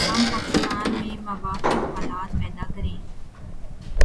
ہم پاکستان میں موافق حالات پیدا کریں